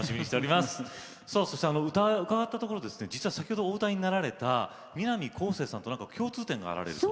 そして、伺ったところ先ほどお歌いになられた南こうせつさんと共通点があられると。